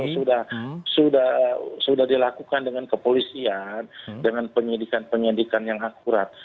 ya saya puas pak kalau sudah dilakukan dengan kepolisian dengan penyedikan penyedikan yang akurat